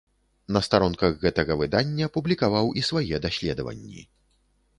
На старонках гэтага выдання публікаваў і свае даследаванні.